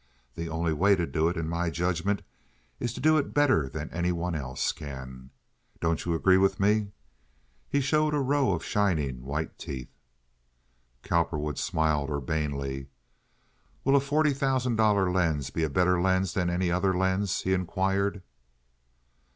The only way to do it, in my judgment, is to do it better than any one else can. Don't you agree with me?" He showed a row of shining white teeth. Cowperwood smiled urbanely. "Will a forty thousand dollar lens be a better lens than any other lens?" he inquired.